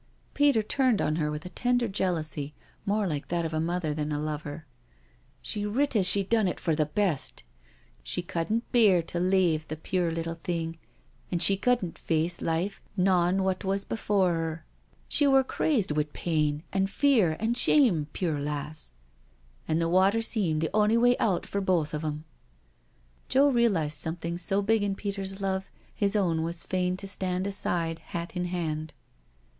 Peter turned on her with a tender jealousy^ more like that of a mother than a lover. '* She writ as she done it for the best. She cudn*t bear to lave the puir little thing, an' she cudn*t face life knawin* wot wus before 'er. She wur crazed wi' pain, an* fear, an' shame, puir lass — ^an' the water seemed the on'y way out for both of 'em." Joe realised something so big in Peter's love, his own was fain to stand aside, hat in hand.